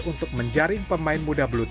untuk menjaring pemain muda bulu tangkis